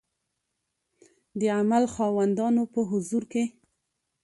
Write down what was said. د عمل د خاوندانو په حضور کې